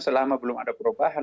selama belum ada perubahan